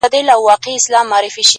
ستا هم د پزي په افسر كي جـادو;